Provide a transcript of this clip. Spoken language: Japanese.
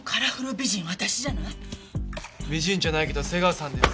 美人じゃないけど背川さんです。